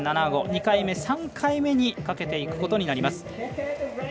２回目、３回目にかけていくことになります。